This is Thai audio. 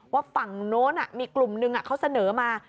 ว่าฝั่งโน้นมีกลุ่มนึงเขาเสนอมา